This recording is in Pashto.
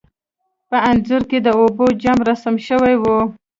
په انځور کې د اوبو جام رسم شوی و.